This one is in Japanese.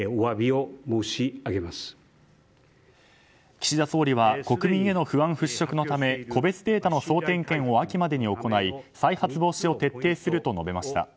岸田総理は国民への不安払しょくのため個別データの総点検を秋までに行い再発防止を徹底すると述べました。